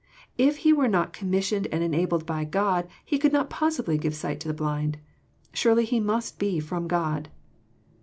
If He were «< not commissioned and enabled by God, He could not possibly give sight to the blind. Surely He must be from God.